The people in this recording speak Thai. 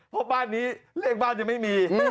เพราะบ้านนี้เลขบ้านยังไม่มี